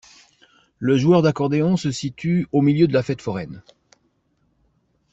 Le joueur d'accordéon se situe au milieu de la fête foraine.